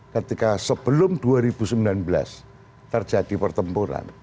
ketika sebelum dua ribu sembilan belas terjadi pertempuran